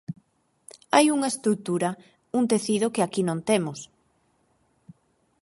"Hai unha estrutura", un tecido que aquí non temos.